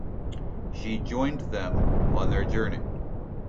She joined them on their journey.